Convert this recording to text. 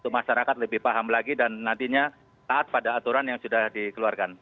masyarakat lebih paham lagi dan nantinya taat pada aturan yang sudah dikeluarkan